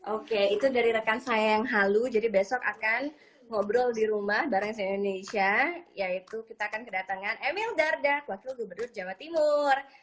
oke itu dari rekan saya yang halu jadi besok akan ngobrol di rumah bareng saya indonesia yaitu kita akan kedatangan emil dardak wakil gubernur jawa timur